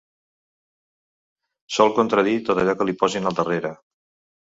Sol contradir tot allò que li posin al darrere.